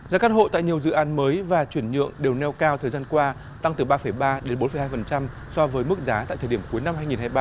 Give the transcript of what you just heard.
giá căn hộ tại nhiều dự án mới và chuyển nhượng đều neo cao thời gian qua tăng từ ba ba đến bốn hai so với mức giá tại thời điểm cuối năm hai nghìn hai mươi ba